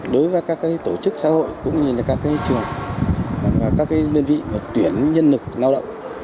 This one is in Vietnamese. đối với các tổ chức xã hội cũng như các trường các nguyên vị tuyển nhân lực lao động